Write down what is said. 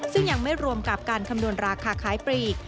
ซึ่งยังไม่รวมกับการคำนวณราคาขายปลีก